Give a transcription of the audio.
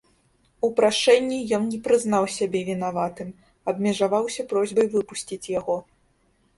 У прашэнні ён не прызнаў сябе вінаватым, абмежаваўся просьбай выпусціць яго.